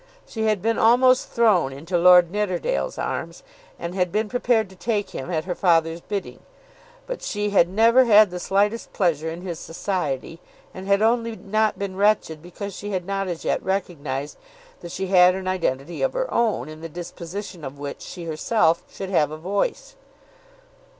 She had been almost thrown into Lord Nidderdale's arms, and had been prepared to take him at her father's bidding. But she had never had the slightest pleasure in his society, and had only not been wretched because she had not as yet recognised that she had an identity of her own in the disposition of which she herself should have a voice.